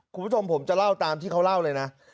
คุณผู้ชมผมจะเล่าตามที่เขาเล่าเลยนะ